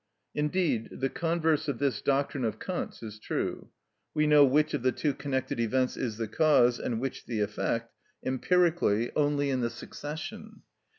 Indeed the converse of this doctrine of Kant's is true. We know which of the two connected events is the cause and which the effect, empirically, only in the succession.